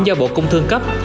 do bộ cung thương cấp